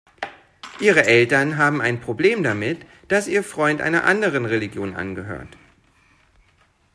Ihre Eltern haben ein Problem damit, dass ihr Freund einer anderen Religion angehört.